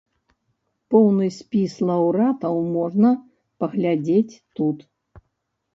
Поўны спіс лаўрэатаў можна паглядзець тут.